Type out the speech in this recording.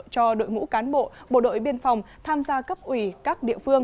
cho đội ngũ cán bộ bộ đội biên phòng tham gia cấp ủy các địa phương